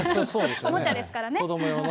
おもちゃですから。